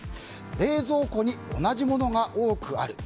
冷蔵庫に同じものが多くある。